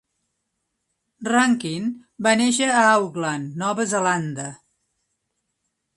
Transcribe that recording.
Rankin va néixer a Auckland, Nova Zelanda.